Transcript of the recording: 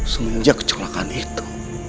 semenjak kecelakaan itu